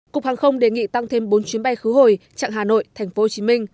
cục hàng không đề nghị tăng thêm bốn chuyến bay khứ hồi trạng hà nội tp hcm